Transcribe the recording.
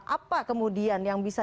apa kemudian yang bisa